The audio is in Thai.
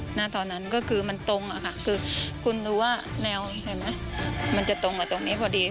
หน้าตอนนั้นก็คือมันตรงค่ะคุณรู้ว่าแนวมันจะตรงกับตรงนี้พอดี